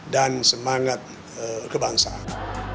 dan semangat kebangsaan